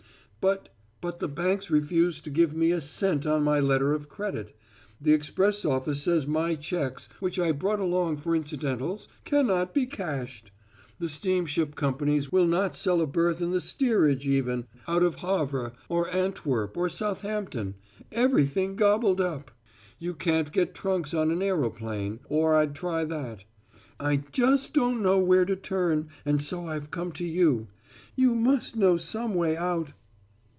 "But but the banks refuse to give me a cent on my letter of credit. The express office says my checks, which I brought along for incidentals, can not be cashed. The steamship companies will not sell a berth in the steerage, even, out of Havre or Antwerp or Southampton everything gobbled up. You can't get trunks on an aeroplane, or I'd try that. I just don't know where to turn, and so I've come to you. You must know some way out."